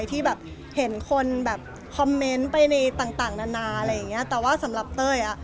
แต่แม้เต้นยังไงแต่สำหรับเต้ย